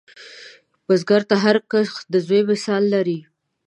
بزګر ته هر کښت د زوی مثال لري